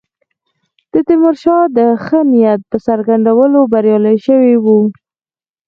د تیمورشاه د ښه نیت په څرګندولو بریالي شوي وو.